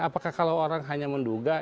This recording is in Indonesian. apakah kalau orang hanya menduga